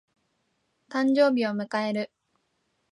誕生日を迎える。